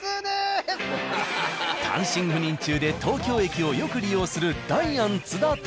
単身赴任中で東京駅をよく利用するダイアン津田と。